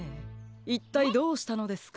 いったいどうしたのですか？